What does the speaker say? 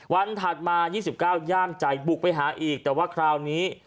วันถัดมายี่สิบเก้าย่ามใจบุกไปหาอีกแต่ว่าคราวนี้